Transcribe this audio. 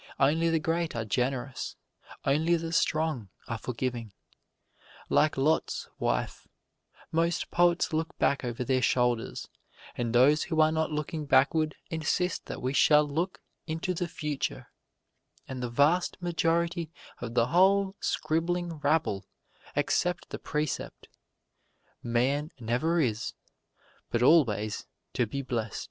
Only the great are generous; only the strong are forgiving. Like Lot's wife, most poets look back over their shoulders; and those who are not looking backward insist that we shall look into the future, and the vast majority of the whole scribbling rabble accept the precept, "Man never is, but always to be blest."